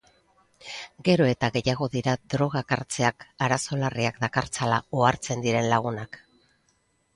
Gero eta gehiago dira drogak hartzeak arazo larriak dakartzala ohartzen diren lagunak.